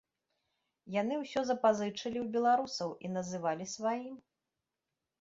Яны ўсё запазычылі ў беларусаў і называлі сваім.